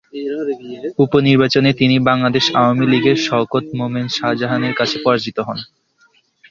উপ-নির্বাচনে তিনি বাংলাদেশ আওয়ামী লীগের শওকত মোমেন শাহজাহানের কাছে পরাজিত হন।